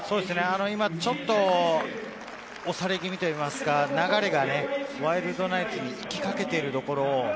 ちょっと押され気味といいますか、流れがワイルドナイツに行きかけているところです。